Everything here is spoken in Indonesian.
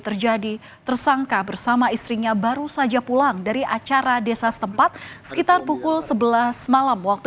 terjadi tersangka bersama istrinya baru saja pulang dari acara desa setempat sekitar pukul sebelas malam waktu